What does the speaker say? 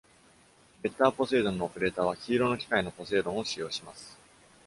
ゲッター・ポセイドンのオペレーターは黄色の機械のポセイドンを使用します。